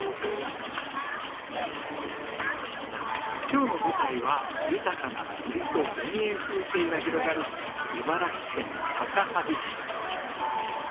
今日の舞台は豊かな森と田園風景が広がる茨城県高萩市。